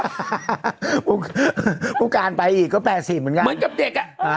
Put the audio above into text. ผู้การไปอีกก็๘๐เหมือนกันเหมือนกับเด็กอ่ะ